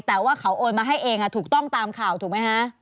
แต่ว่าเขาโอนมาให้เองถูกต้องตามข่าวถูกไหมคะ